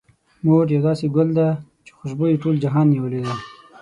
مور يو داسې ګل ده، چې خوشبو يې ټول جهان نيولې ده.